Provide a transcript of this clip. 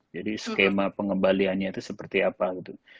jadi skema pengembaliannya itu seperti apa gitu